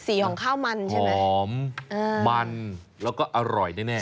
ของข้าวมันใช่ไหมหอมมันแล้วก็อร่อยแน่